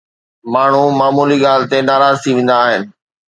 ماڻهو معمولي ڳالهه تي ناراض ٿي ويندا آهن.